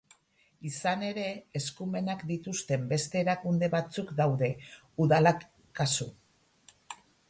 Izan ere, eskumenak dituzten beste erakunde batzuk daude, udalak kasu.